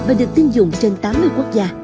và được tiêm dụng trên tám mươi quốc gia